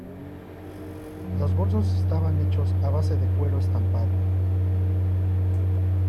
Los bolsos estaban hechos a base de cuero estampado.